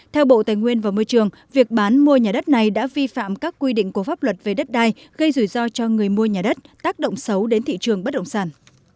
theo bộ tài nguyên và môi trường việc bán mua nhà đất này đã vi phạm các quy định của pháp luật về đất đai gây rủi ro cho người mua nhà đất tác động xấu đến thị trường bất động sản